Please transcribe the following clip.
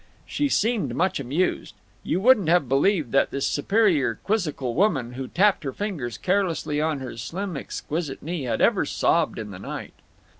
She seemed much amused. You wouldn't have believed that this superior quizzical woman who tapped her fingers carelessly on her slim exquisite knee had ever sobbed in the night.